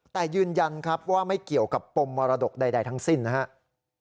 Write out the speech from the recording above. แต่ยืนยันครับว่าไม่เกี่ยวกับปมมรดกใดทั้งสิ้นนะครับ